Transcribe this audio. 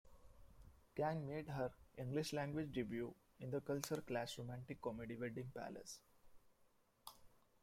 Kang made her English-language debut in the culture-clash romantic comedy "Wedding Palace".